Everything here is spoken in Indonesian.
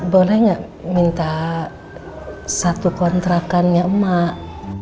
boleh nggak minta satu kontrakannya emak